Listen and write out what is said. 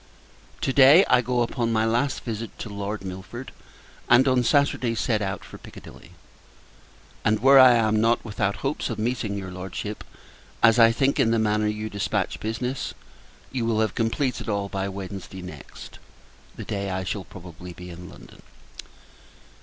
To day, I go upon my last visit to Lord Milford; and, on Saturday, set out for Piccadilly: and where I am not without hopes of meeting your Lordship; as I think, in the manner you dispatch business, you will have completed all by Wednesday next, the day I shall probably be in London.